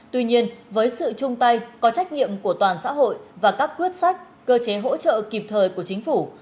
tuy nhiên với sự chung tay có trách nhiệm của toàn xã hội và các quyết sách cơ chế hỗ trợ kịp thời của chính phủ